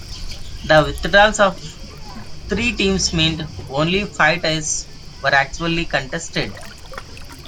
The withdrawals of three teams meant only five ties were actually contested.